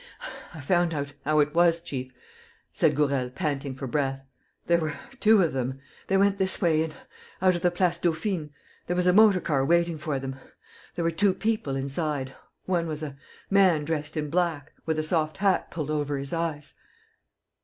"I've found out how it was, chief," said Gourel, panting for breath. "There were two of them. They went this way and out of the Place Dauphine. There was a motor car waiting for them. There were two people inside: one was a man dressed in black, with a soft hat pulled over his eyes